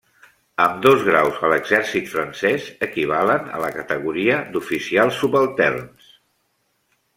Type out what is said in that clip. Ambdós graus a l'exèrcit francès equivalen a la categoria d'oficials subalterns.